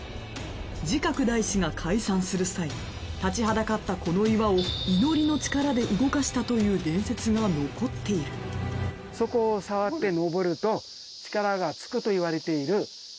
慈覚大師が開山する際立ちはだかったこの岩を祈りの力で動かしたという伝説が残っているそういうことですね。